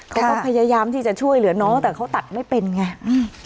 เขาก็พยายามที่จะช่วยเหลือน้องแต่เขาตัดไม่เป็นไงอืม